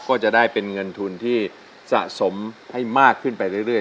ก็จะได้เป็นเงินทุนที่สะสมให้มากขึ้นไปเรื่อย